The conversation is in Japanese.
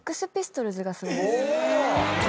え